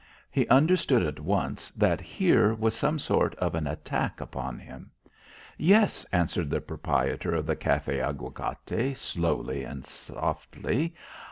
He understood at once that here was some sort of an attack upon him. "Yes," answered the proprietor of the Café Aguacate slowly and softly.